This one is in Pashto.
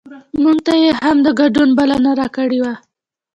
مونږ ته یې هم د ګډون بلنه راکړې وه.